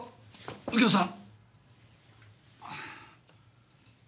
右京さん！